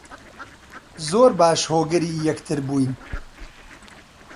زۆر باش هۆگری یەکتر بووین